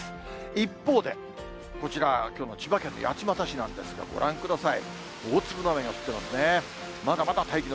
一方で、こちら、きょうの千葉県の八街市なんですが、ご覧ください。